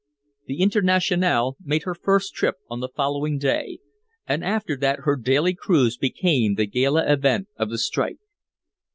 The Internationale made her first trip on the following day, and after that her daily cruise became the gala event of the strike.